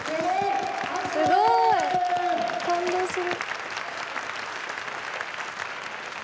すごい。感動する。